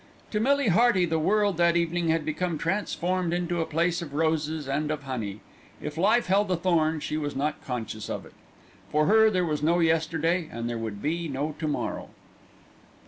To Millie Hearty the world that evening had become transformed into a place of roses and of honey. If life held a thorn, she was not conscious of it. For her there was no yesterday, and there would be no to morrow.